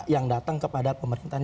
yang datang kepada pemerintahan